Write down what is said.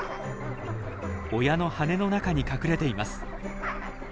親の羽の中に隠れています。